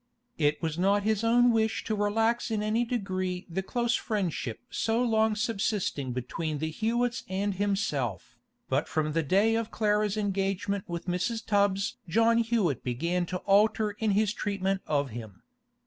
It was not his own wish to relax in any degree the close friendship so long subsisting between the Hewetts and himself, but from the day of Clara's engagement with Mrs. Tubbs John Hewett began to alter in his treatment of him.